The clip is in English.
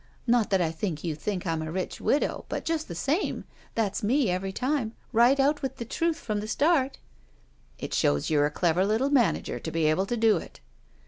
Not that I think you think I'm a rich widow, but just the same, that's me every time. Right out with the truth from the start." "It shows you're a clever little manager to be able to do it."